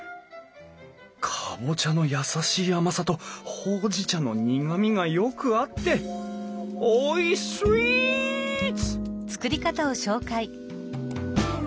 カボチャの優しい甘さとほうじ茶の苦みがよく合っておいスイーツ！